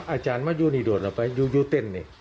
อาจารย์มายูนี่โดดออกไปยูเต้นนี่